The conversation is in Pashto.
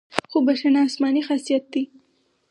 خو بښنه آسماني خاصیت دی.